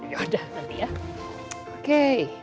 ya udah nanti ya oke